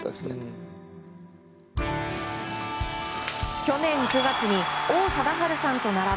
去年９月に王貞治さんと並ぶ